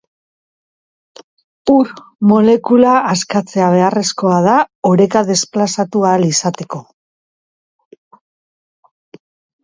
Ur molekula askatzea beharrezkoa da oreka desplazatu ahal izateko.